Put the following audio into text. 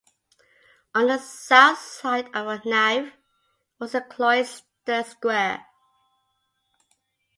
On the south side of the nave was a cloister square.